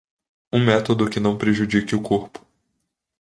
um método que não prejudique o corpo